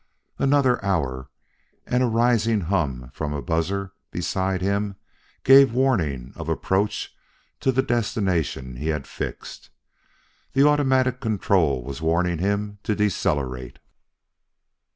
Another hour, and a rising hum from a buzzer beside him gave warning of approach to the destination he had fixed. The automatic control was warning him to decelerate.